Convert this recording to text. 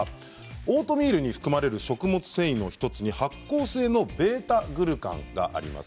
オートミールに含まれる食物繊維の一つに発酵性のβ−グルカンがあります。